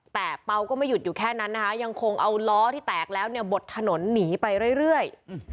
แต่เปล่าก็ไม่หยุดอยู่แค่นั้นนะคะยังคงเอาล้อที่แตกแล้วเนี่ยบดถนนหนีไปเรื่อย